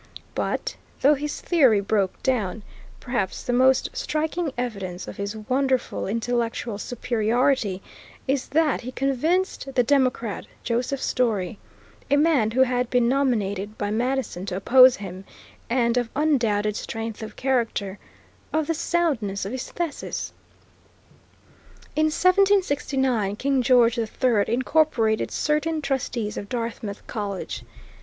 But, though his theory broke down, perhaps the most striking evidence of his wonderful intellectual superiority is that he convinced the Democrat, Joseph Story, a man who had been nominated by Madison to oppose him, and of undoubted strength of character, of the soundness of his thesis. In 1769 King George III incorporated certain Trustees of Dartmouth College.